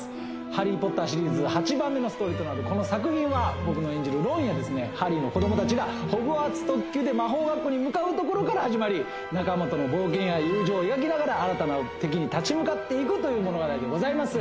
「ハリー・ポッター」シリーズ８番目のストーリーとなるこの作品は僕の演じるロンやハリーの子どもたちがホグワーツ特急で魔法学校に向かうところから始まり仲間との冒険や友情を描きながら新たな敵に立ち向かっていくという物語でございます